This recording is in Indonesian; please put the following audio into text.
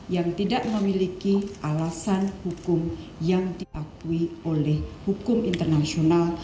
yang tidak memiliki alasan hukum yang diakui oleh hukum internasional